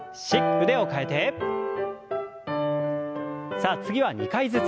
さあ次は２回ずつ。